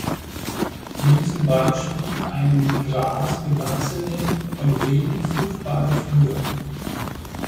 Wie zum Beispiel eine mit Gras bewachsene und wenig fruchtbare Flur.